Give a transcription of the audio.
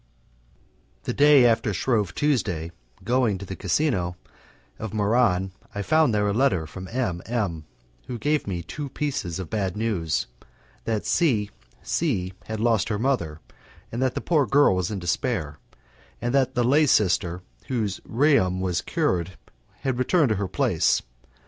The day after Shrove Tuesday, going to the casino of Muran, I found there a letter from M M , who gave me two pieces of bad news: that C C had lost her mother, and that the poor girl was in despair; and that the lay sister, whose rheum was cured, had returned to take her place.